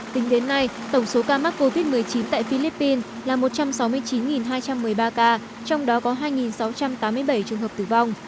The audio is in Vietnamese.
tính đến nay tổng số ca mắc covid một mươi chín tại philippines là một trăm sáu mươi chín hai trăm một mươi ba ca trong đó có hai sáu trăm tám mươi bảy trường hợp tử vong